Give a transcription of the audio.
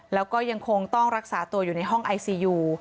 แล้วก็ยังคงต้องรักษาตัวอยู่ในห้องไอซียู